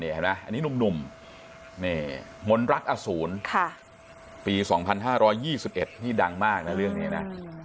อันนี้หนุ่มมนตร์รักอสูรปี๒๕๒๑ดังมากนะเรื่องนี้นะ